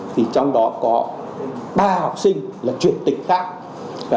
thì trong đó có ba học sinh là chủ tịch khác